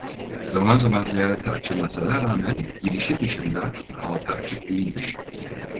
Zaman zaman ziyarete açılmasına rağmen girişi dışında halka açık değildir.